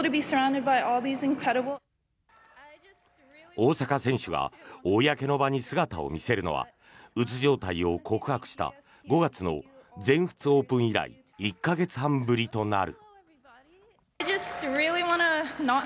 大坂選手が公の場に姿を見せるのはうつ状態を告白した５月の全仏オープン以来１か月半ぶりとなる。